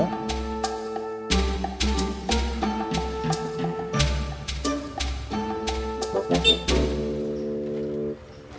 tidak ada orang